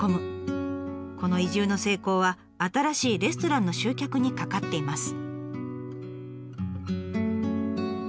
この移住の成功は新しいレストランの集客にかかっています。